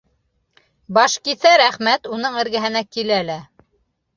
Башкиҫәр Әхмәт уның эргәһенә килә лә: